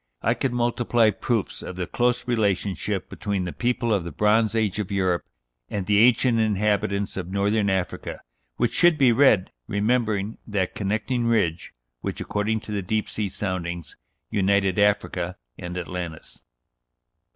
I could multiply proofs of the close relationship between the people of the Bronze Age of Europe and the ancient inhabitants of Northern Africa, which should be read remembering that "connecting ridge" which, according to the deep sea soundings, united Africa and Atlantis.